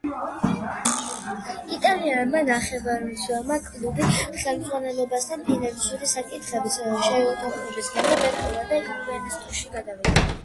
იტალიელმა ნახევარმცველმა კლუბი ხელმძღვანელობასთან ფინანსური საკითხების შეუთანხმებლობის გამო დატოვა და იუვენტუსში გადავიდა.